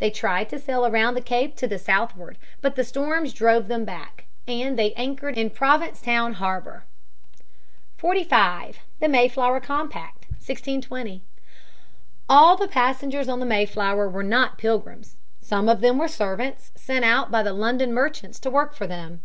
They tried to sail around the cape to the southward, but storms drove them back, and they anchored in Provincetown harbor. [Sidenote: The Pilgrims Compact, 1620.] 45. The Mayflower Compact, 1620. All the passengers on the Mayflower were not Pilgrims. Some of them were servants sent out by the London merchants to work for them.